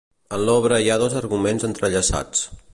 En l'obra hi ha dos arguments entrellaçats.